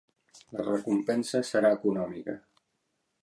La recompensa serà econòmica.